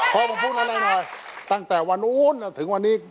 ขอบคุณครับขอผมพูดหน่อยตั้งแต่วันอุ้นถึงวันนี้